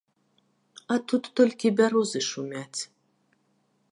А тут толькі бярозы шумяць.